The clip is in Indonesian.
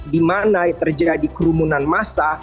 dimana terjadi kerumunan massa